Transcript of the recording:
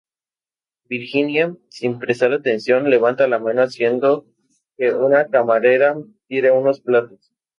Virginia, sin prestar atención levanta la mano haciendo que una camarera tire unos platos.